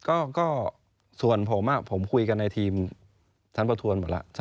ก็ตัวส่วนผมคุยกันในทีมฐประถวรหมดแล้ว